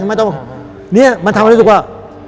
มันทำความรู้สึกว่า